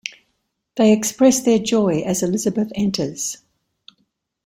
They express their joy as Elizabeth enters.